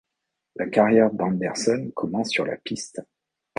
La carrière d'Henderson commence sur la piste.